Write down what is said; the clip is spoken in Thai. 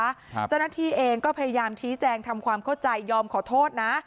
เจ้าหน้าที่เองก็พยายามชี้แจงทำความเข้าใจยอมขอโทษนะ